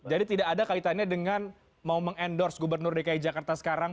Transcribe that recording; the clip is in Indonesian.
jadi tidak ada kaitannya dengan mau meng endorse gubernur dki jakarta sekarang